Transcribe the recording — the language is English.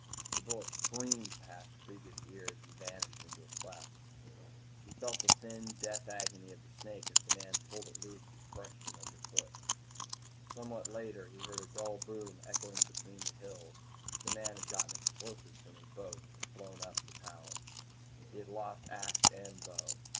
The bullet screamed past Kreega's ear as he vanished into a cleft. He felt the thin death agony of the snake as the man pulled it loose and crushed it underfoot. Somewhat later, he heard a dull boom echoing between the hills. The man had gotten explosives from his boat and blown up the tower. He had lost axe and bow.